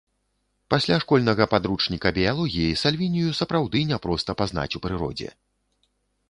Пасля школьнага падручніка біялогіі сальвінію сапраўды няпроста пазнаць у прыродзе.